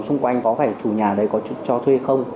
xung quanh có phải chủ nhà đấy có cho thuê không